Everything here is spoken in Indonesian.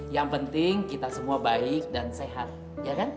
yang penting kita semua baik dan sehat ya kan